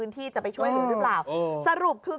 อยากไปช่วยรึเปล่า